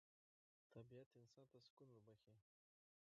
طبیعت انسان ته سکون وربخښي